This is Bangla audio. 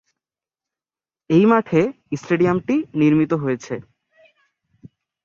এই মাঠে স্টেডিয়ামটি নির্মিত হয়েছে।